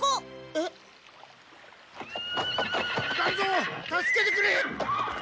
えっ？団蔵助けてくれ！